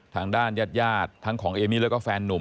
ทางด้านญาติทั้งของเอมี่แล้วก็แฟนนุ่ม